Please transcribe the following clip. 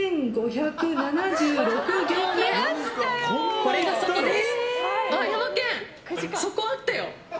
これが底です。